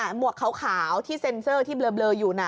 หมวกขาวที่เซ็นเซอร์ที่เบลออยู่น่ะ